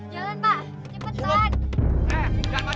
jalan pak cepetan